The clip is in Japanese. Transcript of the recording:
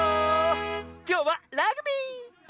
きょうはラグビー！